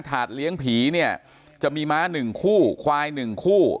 ถาดเลี้ยงผีเนี้ยจะมีม้าหนึ่งคู่ควายหนึ่งคู่